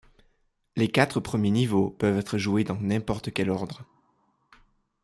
Les quatre premiers niveaux peuvent être joués dans n'importe quel ordre.